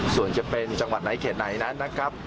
ส่วนจะเป็นจังหวัดไหนเขตไหนนั้นนะครับ